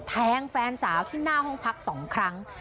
แทงแฟนสาวที่หน้าห้องพัก๒ครั้ง